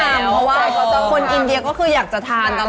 เพราะว่าคนอินเดียก็คืออยากจะทานตลอด